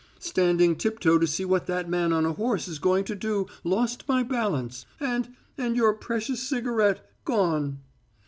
"Standing tiptoe to see what that man on a horse is going to do lost my balance. And and your precious cigarette gone!"